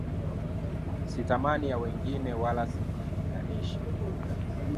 Sitamani ya wengine wala sijilinganishi.